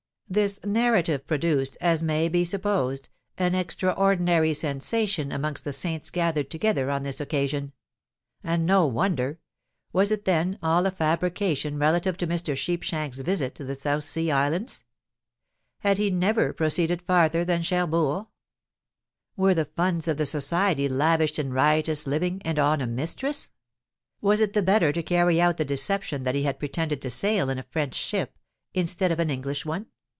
This narrative produced, as may be supposed, an extraordinary sensation amongst the saints gathered together on this occasion. And no wonder! Was it, then, all a fabrication relative to Mr. Sheepshanks' visit to the South Sea Islands? Had he never proceeded farther than Cherbourg? were the funds of the Society lavished in riotous living and on a mistress? was it the better to carry out the deception that he had pretended to sail in a French ship, instead of an English one?